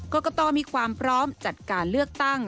กรกตมีความพร้อมจัดการเลือกตั้ง